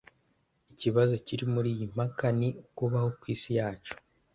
ikibazo kiri muriyi mpaka ni ukubaho kwisi yacu